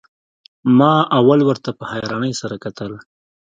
ما اول ورته په حيرانۍ سره کتل.